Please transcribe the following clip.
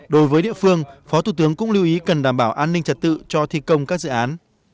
đối với địa phương phó thủ tướng cũng lưu ý cần đảm bảo an ninh trật tự cho thi công các dự án